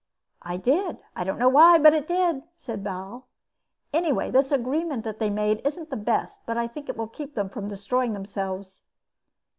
"It did. I don't know why, but it did," said Bal. "Anyway, this agreement they made isn't the best but I think it will keep them from destroying themselves."